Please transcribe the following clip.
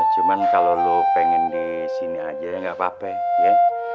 cuma kalau lo pengen disini aja ya gak apa apa